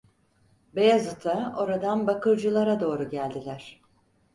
Beyazıt’a, oradan Bakırcılar’a doğru geldiler.